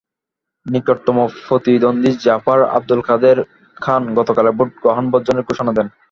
নিকটতম প্রতিদ্বন্দ্বী জাপার আবদুল কাদের খান গতকালের ভোট গ্রহণ বর্জনের ঘোষণা দেন।